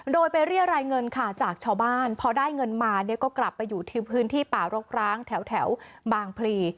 โดยไปเรียรายเงินค่ะจากชาวบ้านพอได้เงินมาเนี่ยก็กลับไปอยู่ที่พื้นที่ป่ารกร้างแถวบางพลี